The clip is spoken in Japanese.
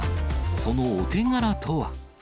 そのお手柄とは。